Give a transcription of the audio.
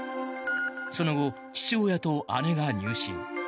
その後、父親と姉が入信。